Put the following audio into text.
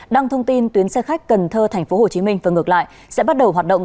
đăng thông tin tuyến xe khách cần thơ tp hcm và ngược lại sẽ bắt đầu hoạt động